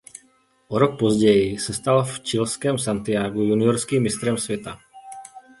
O rok později se stal v chilském Santiagu juniorským mistrem světa.